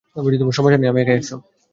সমস্যা নেই, আমি একাই একশ!